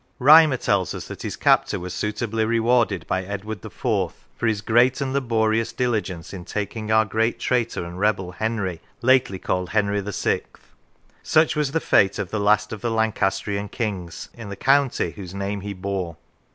Rymer tells us that his captor was suitably rewarded by Edward IV. for " his great and laborious diligence in taking our great traitor and rebel, Henry, lately called Henry VI." Such was the fate of the last of the Lancastrian Kings in the county whose name he bore.